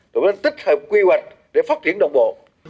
tổ chức tích hợp quy hoạch để phát triển đồng bộ